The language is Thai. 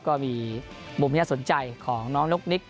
ก็มีมุมที่น่าสนใจของน้องนกนิก